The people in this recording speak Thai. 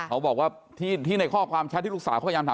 เขาบอกว่าที่ในข้อความแชทที่ลูกสาวเขาพยายามถาม